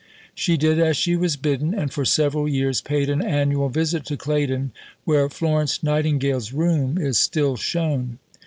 She did as she was bidden, and for several years paid an annual visit to Claydon, where "Florence Nightingale's room" is still shown.